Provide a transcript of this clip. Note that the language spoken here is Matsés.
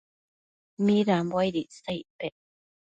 midambo aid icsa icpec ?